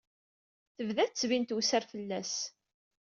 Tebda tettbin tewser fell-as.